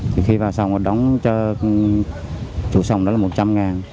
thì khi vào xong họ đóng cho chủ sông đó là một trăm linh ngàn